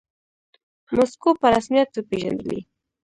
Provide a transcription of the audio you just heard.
موسکو په رسميت وپیژندلې.